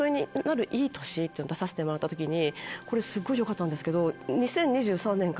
っていうのを出させてもらった時にこれすっごいよかったんですけど。